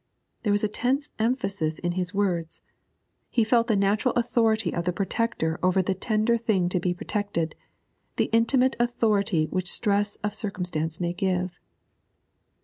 There was a tense emphasis in his words; he felt the natural authority of the protector over the tender thing to be protected, the intimate authority which stress of circumstance may give.